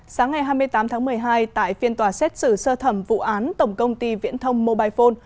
sáng ngày hai mươi tám tháng một mươi hai tại phiên tòa xét xử sơ thẩm vụ án tổng công ty viễn thông mobile phone